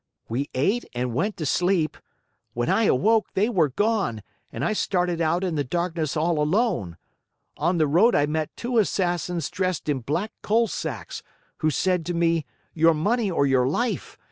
We ate and went to sleep. When I awoke they were gone and I started out in the darkness all alone. On the road I met two Assassins dressed in black coal sacks, who said to me, 'Your money or your life!